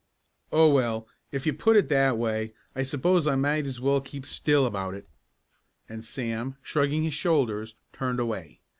"Oh, well, if you put it that way I suppose I might as well keep still about it," and Sam, shrugging his shoulders, turned away.